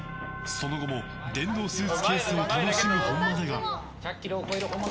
その後も電動スーツケースを楽しむ本間だが。